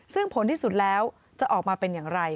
ซึ่งผลที่สุดแล้วจะออกมาเป็นอย่างไร